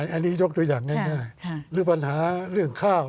อันนี้ยกตัวอย่างง่ายหรือปัญหาเรื่องข้าว